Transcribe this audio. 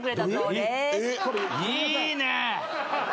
いいね。